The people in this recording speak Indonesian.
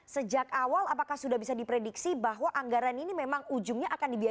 sejak awal apakah sudah bisa diprediksi bahwa anggaran ini memang ujungnya akan dibiayai